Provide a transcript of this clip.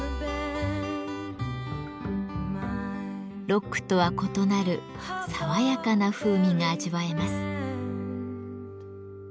ロックとは異なる爽やかな風味が味わえます。